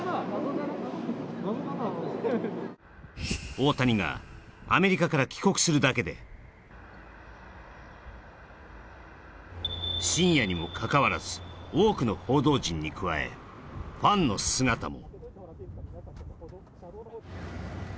大谷がアメリカから帰国するだけで深夜にもかかわらず多くの報道陣に加えファンの姿も。